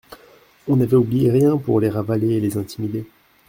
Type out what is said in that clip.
On n'avait oublié rien pour les ravaler et les intimider.